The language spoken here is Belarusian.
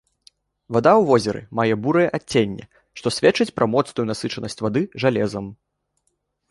Вада ў возеры мае бурае адценне, што сведчыць пра моцную насычанасць вады жалезам.